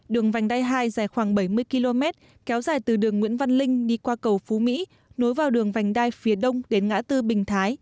đường vành đai hai dài khoảng bảy mươi km kéo dài từ đường nguyễn văn linh đi qua cầu phú mỹ nối vào đường vành đai phía đông đến ngã tư bình thái